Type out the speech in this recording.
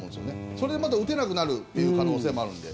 それでまた打てなくなるという可能性もあるんで。